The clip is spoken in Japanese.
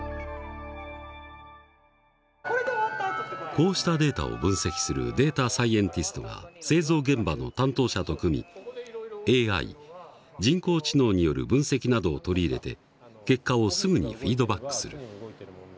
こうしたデータを分析するデータサイエンティストが製造現場の担当者と組みＡＩ人工知能による分析などを取り入れて結果をすぐにフィードバックする。